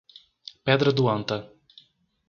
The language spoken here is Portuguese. Pedra do Anta